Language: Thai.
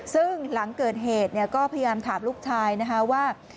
ซึ่งหลังเกิดเหตุก็พยายามถามลูกชายนะคะว่า